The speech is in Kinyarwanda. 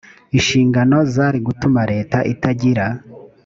inshingano zari gutuma leta itagira